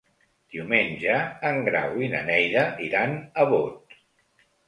Diumenge en Grau i na Neida iran a Bot.